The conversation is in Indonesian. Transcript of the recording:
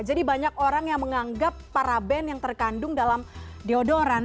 jadi banyak orang yang menganggap paraben yang terkandung dalam deodoran